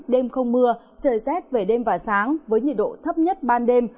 đêm không mưa trời rét về đêm và sáng với nhiệt độ thấp nhất ban đêm